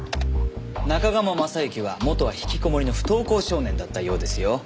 中鴨昌行は元は引きこもりの不登校少年だったようですよ。